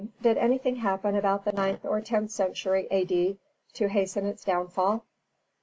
_Did anything happen about the ninth or tenth century A.D. to hasten its downfall?